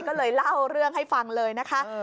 ก็เลยเล่าเรื่องให้ฟังเลยนะคะ